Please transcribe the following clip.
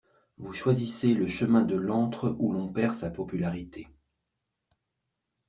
Vous choisissez le chemin de l'antre où l'on perd sa popularité!